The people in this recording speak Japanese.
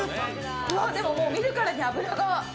うわー、もう見るからに脂が。